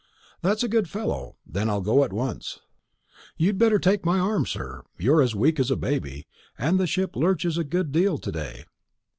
"That's a good fellow. Then I'll go at once." "You'd better take my arm, sir; you're as weak as a baby, and the ship lurches a good deal to day."